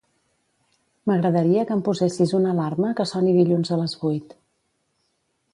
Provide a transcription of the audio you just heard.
M'agradaria que em posessis una alarma que soni dilluns a les vuit.